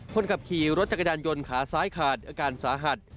คนขับขี่รถจักรยานยนต์ขาซ้ายขาดอาการสาหัส